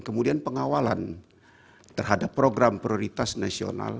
kemudian pengawalan terhadap program prioritas nasional